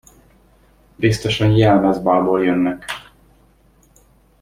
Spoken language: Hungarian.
Biztosan jelmezbálból jönnek.